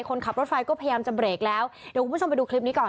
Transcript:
คนขับรถไฟก็พยายามจะเบรกแล้วเดี๋ยวคุณผู้ชมไปดูคลิปนี้ก่อน